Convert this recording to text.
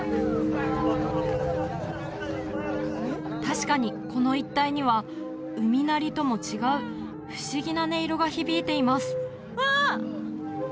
確かにこの一帯には海鳴りとも違う不思議な音色が響いていますあっ！